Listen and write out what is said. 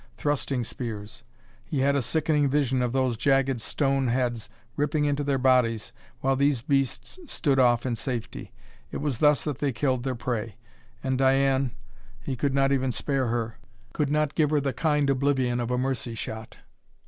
Thrusting spears! He had a sickening vision of those jagged stone heads ripping into their bodies while these beasts stood off in safety. It was thus that they killed their prey. And Diane he could not even spare her could not give her the kind oblivion of a mercy shot!